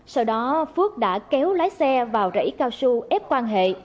sau đó phước đã kéo lái xe vào rẫy cao su ép quan hệ